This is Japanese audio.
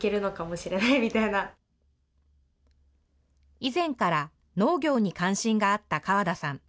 以前から農業に関心があった川田さん。